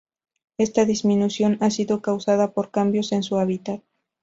Esta disminución ha sido causada por cambios en su hábitat.